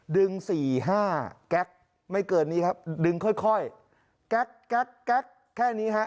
สี่ห้าแก๊กไม่เกินนี้ครับดึงค่อยแก๊กแก๊กแก๊กแค่นี้ฮะ